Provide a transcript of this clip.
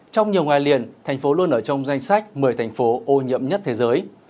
trong nhiều ngày liền thành phố luôn ở trong danh sách một mươi thành phố ô nhiễm nhất thế giới